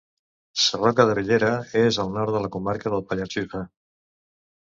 Sarroca de Bellera és al nord de la comarca del Pallars Jussà.